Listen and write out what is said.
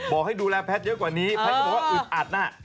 ให้ดูแลแพทย์เยอะกว่านี้แพทย์ก็บอกว่าอึดอัดน่ะ